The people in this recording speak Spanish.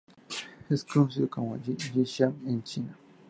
Es conocido como "mi zhen zi" en China.